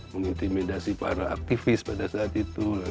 mengintimidasi para aktivis pada saat itu